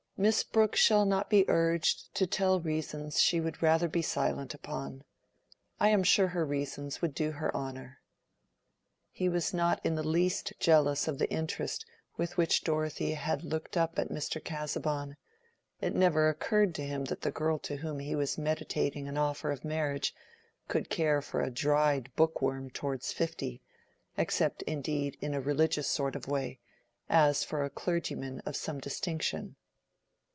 "Miss Brooke shall not be urged to tell reasons she would rather be silent upon. I am sure her reasons would do her honor." He was not in the least jealous of the interest with which Dorothea had looked up at Mr. Casaubon: it never occurred to him that a girl to whom he was meditating an offer of marriage could care for a dried bookworm towards fifty, except, indeed, in a religious sort of way, as for a clergyman of some distinction.